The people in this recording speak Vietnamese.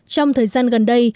trong thời gian gần đây